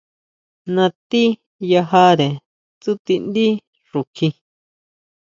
Natí yajare tsutindí xukjí.